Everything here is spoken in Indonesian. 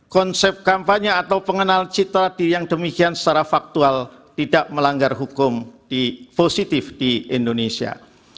konsep kampanye atau pengenal citra diri yang demikian secara faktual tidak melanggar hukum positif di indonesia